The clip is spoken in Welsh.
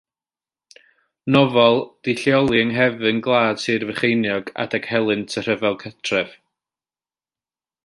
Nofel wedi'i lleoli yng nghefn gwlad Sir Frycheiniog adeg helynt y Rhyfel Cartref.